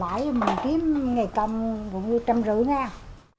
lãi mình kiếm ngày công cũng như trăm rưỡi ngàn